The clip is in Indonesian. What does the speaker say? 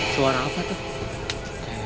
suara apa tuh